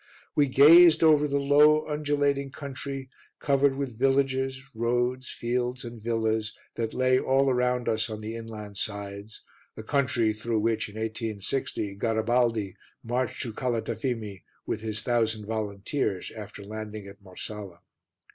We gazed over the low, undulating country covered with villages, roads, fields and villas that lay all around us on the inland sides the country through which in 1860 Garibaldi marched to Calatafimi with his thousand volunteers after landing at Marsala.